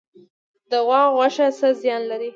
د غوا غوښه څه زیان لري؟